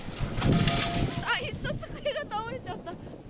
あっ、いすと机が倒れちゃった。